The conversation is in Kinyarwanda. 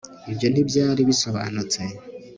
ibyo ntibyari bisobanutse